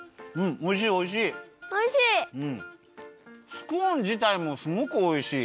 スコーンじたいもすごくおいしい。